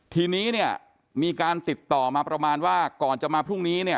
ทีนี้มีการติดต่อมาประมาณว่าก่อนจะมาพรุ่งนี้